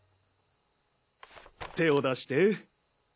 手を出して。